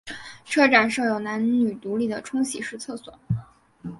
车站设有男女独立的冲洗式厕所。